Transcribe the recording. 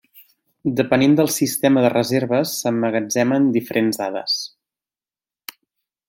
Depenent del sistema de reserves s'emmagatzemen diferents dades.